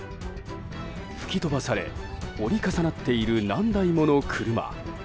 吹き飛ばされ、折り重なっている何台もの車。